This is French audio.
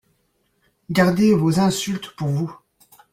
Gardez vos insultes pour vous